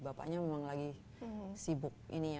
bapaknya memang lagi sibuk ini ya